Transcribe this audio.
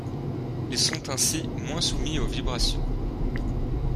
Ils sont ainsi moins soumis aux vibrations.